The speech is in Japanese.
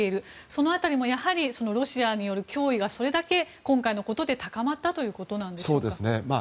その辺りもやはりロシアによる脅威がそれだけ今回のことで高まったということなんですか。